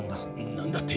何だって？